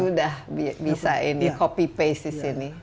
sudah bisa ini copy paste di sini